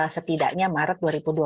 setidaknya maret dua ribu dua puluh